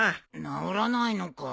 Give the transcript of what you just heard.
直らないのか？